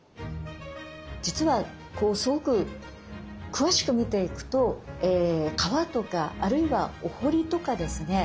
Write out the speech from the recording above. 実はすごく詳しく見ていくと川とかあるいはお堀とかですね